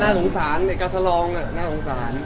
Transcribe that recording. น่าโง่งสารเนี่ยกัสสลองน่าโง่งสาร